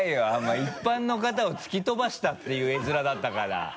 一般の方を突き飛ばしたっていう絵面だったから。